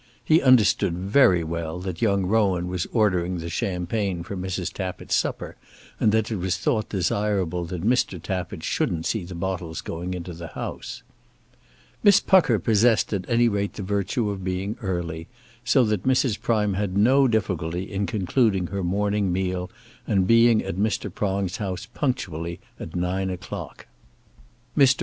He understood very well that young Rowan was ordering the champagne for Mrs. Tappitt's supper, and that it was thought desirable that Mr. Tappitt shouldn't see the bottles going into the house. Miss Pucker possessed at any rate the virtue of being early, so that Mrs. Prime had no difficulty in concluding her "morning meal," and being at Mr. Prong's house punctually at nine o'clock. Mr.